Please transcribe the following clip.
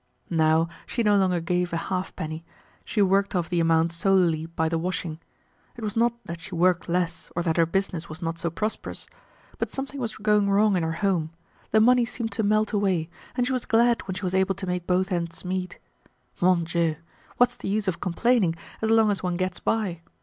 Now, she no longer gave a halfpenny; she worked off the amount solely by the washing. It was not that she worked less, or that her business was not so prosperous. But something was going wrong in her home; the money seemed to melt away, and she was glad when she was able to make both ends meet. Mon Dieu! What's the use of complaining as long as one gets by.